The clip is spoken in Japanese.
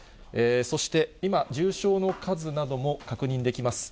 そして、今、重症の数なども確認できます。